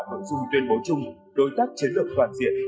mở rung tuyên bố chung đối tác chiến lược toàn diện